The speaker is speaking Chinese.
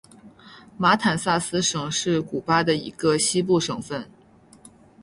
马坦萨斯省是古巴的一个西部省份。